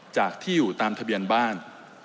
จากที่อยู่ตามทะเบียนบ้าน